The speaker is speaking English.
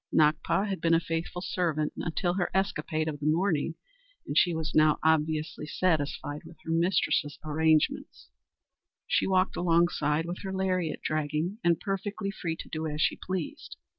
Nakpa had been a faithful servant until her escapade of the morning, and she was now obviously satisfied with her mistress' arrangements. She walked alongside with her lariat dragging, and perfectly free to do as she pleased.